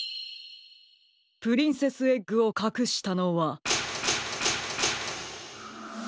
プリンセスエッグをかくしたのは。